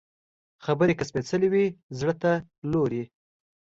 خبرې که سپېڅلې وي، زړه ته لوري